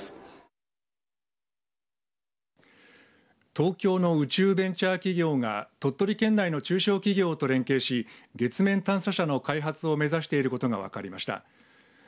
東京の宇宙ベンチャー企業が鳥取県内の中小企業と連携し月面探査車の開発を目指していることが分かりました。